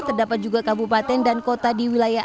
terdapat juga kabupaten dan kota di wilayah